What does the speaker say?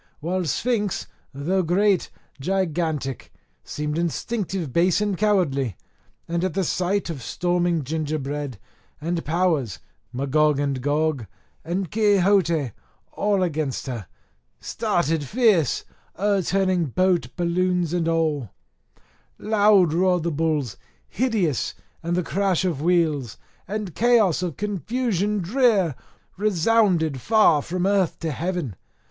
While Sphinx, though great, gigantic, seemed instinctive base and cowardly, and at the sight of storming gingerbread, and powers, Magog and Gog, and Quixote, all against her, started fierce, o'erturning boat, balloons, and all; loud roared the bulls, hideous, and the crash of wheels, and chaos of confusion drear, resounded far from earth to heaven.